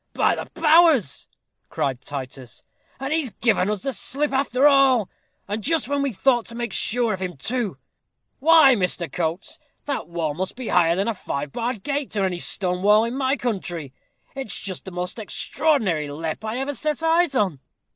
"By the powers!" cried Titus, "and he's given us the slip after all. And just when we thought to make sure of him, too. Why, Mr. Coates, that wall must be higher than a five barred gate, or any stone wall in my own country. It's just the most extraordinary lepp I ever set eyes on!"